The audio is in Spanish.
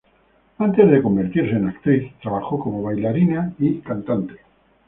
Antes de convertirse en actriz, trabajó como bailarina y cantante.